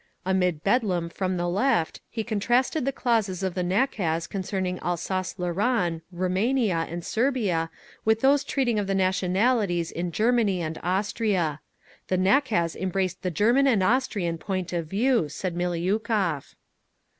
Amid bedlam from the Left, he contrasted the clauses of the nakaz concerning Alsace Lorraine, Rumania, and Serbia, with those treating of the nationalities in Germany and Austria. The nakaz embraced the German and Austrian point of view, said Miliukov.